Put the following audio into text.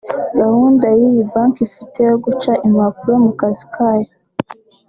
Gahunda iyi banki ifite yo guca impapuro mu kazi kayo